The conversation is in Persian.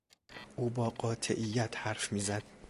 او با قاطعیت حرف میزد.